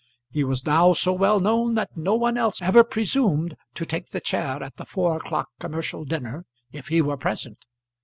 He was now so well known, that no one else ever presumed to take the chair at the four o'clock commercial dinner if he were present.